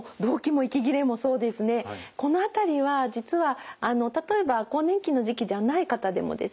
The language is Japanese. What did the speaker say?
この辺りは実は例えば更年期の時期ではない方でもですね